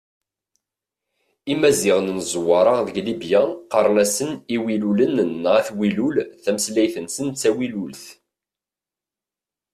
Imaziɣen n Zwaṛa deg Libya qqaren-asen Iwilulen neɣ At Wilul, tameslayt-nsen d tawilult.